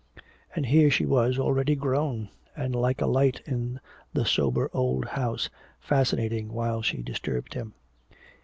And here she was already grown, and like a light in the sober old house, fascinating while she disturbed him.